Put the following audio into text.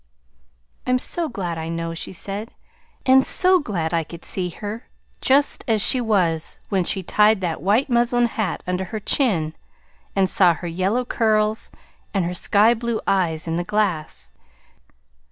"I'm so glad I know," she said, "and so glad I could see her just as she was when she tied that white muslin hat under her chin and saw her yellow curls and her sky blue eyes in the glass.